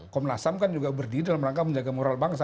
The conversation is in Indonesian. komnas ham kan juga berdiri dalam rangka menjaga moral bangsa